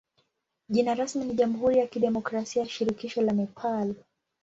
Jina rasmi ni jamhuri ya kidemokrasia ya shirikisho la Nepal.